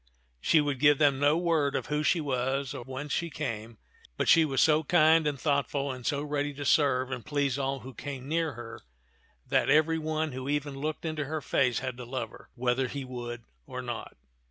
She would give them no word of who she was or whence she came, but she was so kind and thoughtful and so ready to serve and please all who came near her that every one who even looked into her face had to love her, whether he would or not.